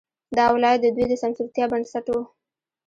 دا ولایت د دوی د سمسورتیا بنسټ وو.